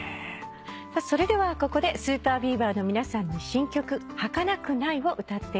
それではここでＳＵＰＥＲＢＥＡＶＥＲの皆さんに新曲『儚くない』を歌っていただきます。